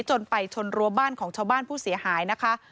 จนไปชนรั้วบ้านของชาวบ้านผู้เสียหายนะคะ